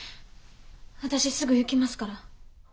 私すぐ行きますから。